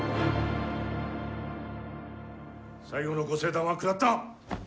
最後のご聖断は下った。